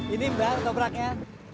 ini mbak topraknya